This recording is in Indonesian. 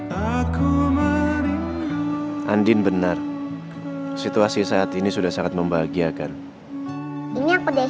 aku merindu andin benar situasi saat ini sudah sangat membahagiakan ini aku udah